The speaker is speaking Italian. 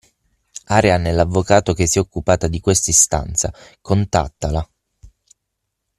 Arianna è l'avvocato che si è occupata di questa istanza, contattala.